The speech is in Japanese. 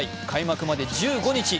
開幕まで１５日。